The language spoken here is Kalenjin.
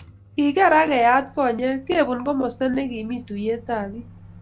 Keker akeyat konyek, kebun komasta nekimii tuiyet ab biik